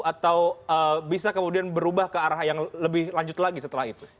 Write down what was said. atau bisa kemudian berubah ke arah yang lebih lanjut lagi setelah itu